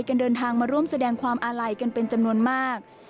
เดินทางมาร่วมแสดงความอาลัยกันเป็นจำนวนมาก